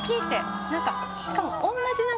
しかも。